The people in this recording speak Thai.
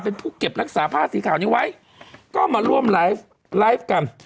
เป็นผู้เก็บรักษาผ้าสีขาวนี้ไว้ก็มาร่วมไลฟ์ไลฟ์กัน